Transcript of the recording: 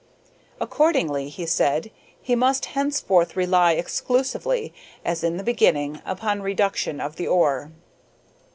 Accordingly, he said, he must henceforth rely exclusively, as in the beginning, upon reduction of the ore.